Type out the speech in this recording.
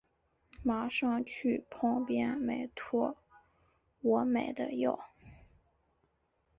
马上去旁边买托我买的药